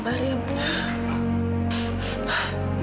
ibu dia yang marah